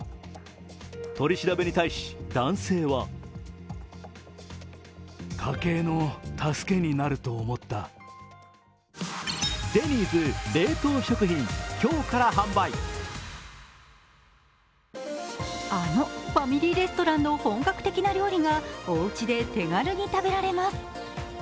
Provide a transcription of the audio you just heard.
取り調べに対し男性はあのファミリーレスランの本格的な料理がおうちで手軽に食べられます。